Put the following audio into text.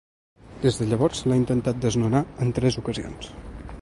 Des de llavors, se l’ha intentat desnonar en tres ocasions.